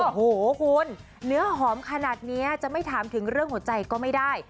โอ้โหคุณเนื้อหอมขนาดนี้จะไม่ถามถึงเรื่องหัวใจก็ไม่ได้